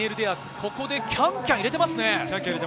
ここでキャンキャンを入れていますね。